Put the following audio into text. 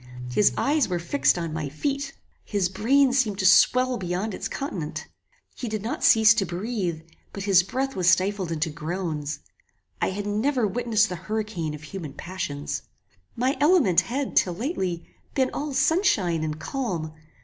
His eyes were fixed on my feet. His brain seemed to swell beyond its continent. He did not cease to breathe, but his breath was stifled into groans. I had never witnessed the hurricane of human passions. My element had, till lately, been all sunshine and calm.